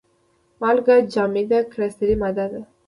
مالګه جامده کرستلي ماده ده.